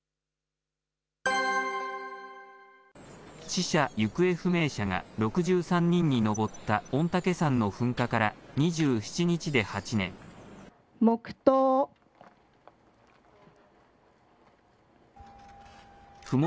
死者・行方不明者が６３人に上った御嶽山の噴火から２７日で黙とう。